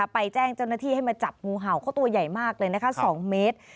ไปแจ้งเจ้าหน้าที่ให้มาจับงูเห่าเขาตัวใหญ่มากเลยนะคะ๒เมตร